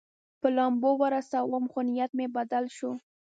په لامبو ورسوم، خو نیت مې بدل شو.